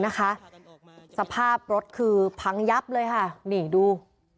สภาพรถคือพังยับเลยค่ะนี่ดู